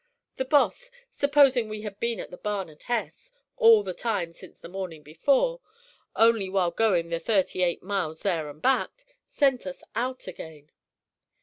The boss, supposing we had been in the barn at S all the time since the morning before, only while going the thirty eight miles there and back, sent us out again.